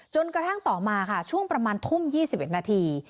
จนกระทั่งต่อมาค่ะช่วงประมาณทุ่ม๒๑นาที